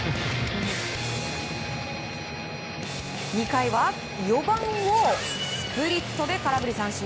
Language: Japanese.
２回は４番をスプリットで空振り三振。